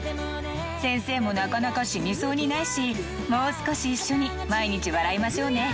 先生もなかなか死にそうにないし、もう少し一緒に毎日笑いましょうね。